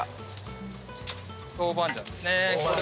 豆板醤ですね。